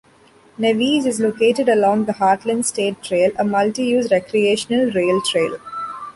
Nevis is located along the Heartland State Trail, a multi-use recreational rail trail.